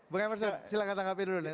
bung emerson silahkan tangkapi dulu